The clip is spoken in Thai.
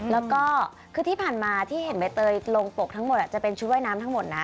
แล้วก็คือที่ผ่านมาที่เห็นใบเตยลงปกทั้งหมดจะเป็นชุดว่ายน้ำทั้งหมดนะ